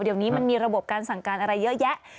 เดี๋ยวนี้มันมีระบบการสั่งการอะไรเยอะแยะ